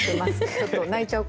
ちょっと泣いちゃうかも。